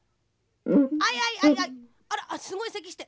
「あいあいあらすごいせきして」。